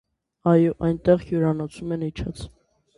- Ա՛յ, այնտեղ հյուրանոցումն եմ իջած: